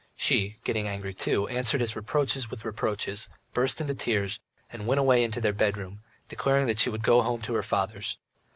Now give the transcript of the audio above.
She, getting angry too, answered his reproaches with reproaches, burst into tears, and went away into their bedroom, declaring she would go home to her father's.